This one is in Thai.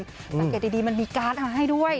สังเกตดีมันมีการ์ดเอามาให้ด้วย